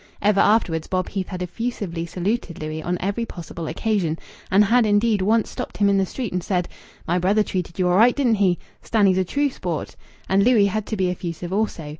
Ever afterwards Bob Heath had effusively saluted Louis on every possible occasion, and had indeed once stopped him in the street and said: "My brother treated you all right, didn't he? Stanny's a true sport." And Louis had to be effusive also.